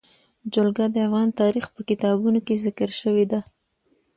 جلګه د افغان تاریخ په کتابونو کې ذکر شوی دي.